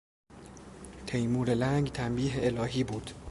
تیمور لنگ تنبیه الهی بود.